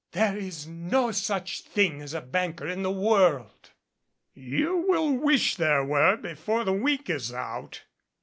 "There is no such tiling as a banker in the world." "You will wish there were before the week is out."